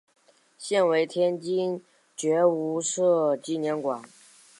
现为天津觉悟社纪念馆。